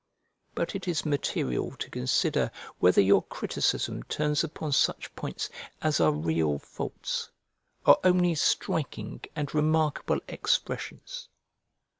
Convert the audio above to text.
But it is material to consider whether your criticism turns upon such points as are real faults, or only striking and remarkable expressions.